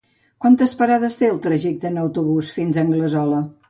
Quantes parades té el trajecte en autobús fins a Anglesola?